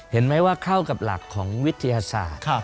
เห็นไหมว่าเข้ากับหลักของวิทยาศาสตร์